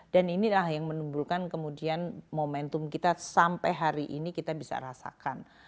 dan inilah yang menimbulkan kemudian momentum kita sampai hari ini kita bisa rasakan